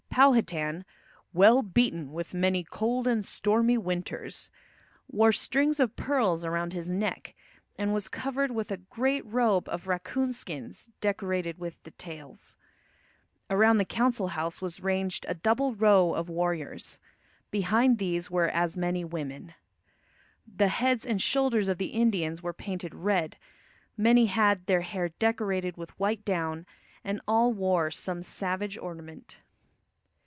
Powhatan, "well beaten with many cold and stormy winters," wore strings of pearls around his neck, and was covered with a great robe of raccoon skins decorated with the tails. Around the council house was ranged a double row of warriors. Behind these were as many women. The heads and shoulders of the Indians were painted red, many had their hair decorated with white down, and all wore some savage ornament.